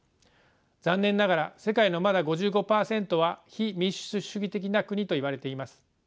残念ながら世界のまだ５５％は非民主主義的な国といわれています。